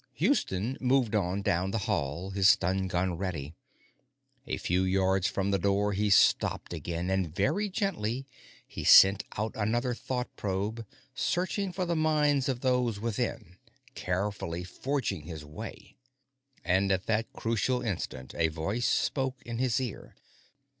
Houston moved on down the hall, his stun gun ready. A few yards from the door, he stopped again, and, very gently, he sent out another thought probe, searching for the minds of those within, carefully forging his way. And, at that crucial instant, a voice spoke in his ear.